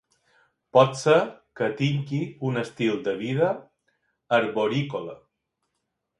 Pot ser que tingui un estil de vida arborícola.